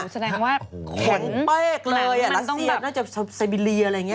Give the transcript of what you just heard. แสดงว่าแข็งกลางมันต้องแบบขนเป็กเลยรัสเซียน่าจะเซบิลีอะไรอย่างนี้